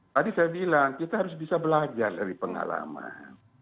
tadi saya bilang kita harus bisa belajar dari pengalaman